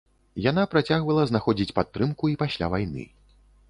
Яна працягвала знаходзіць падтрымку і пасля вайны.